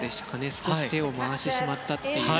少し手を回してしまったという。